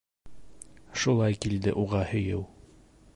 Шулай килде уға һөйөү.